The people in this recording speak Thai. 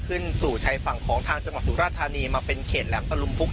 ขึ้นสู่ชายฝั่งของทางจังหวัดสุราธานีมาเป็นเขตแหลมตะลุมพุก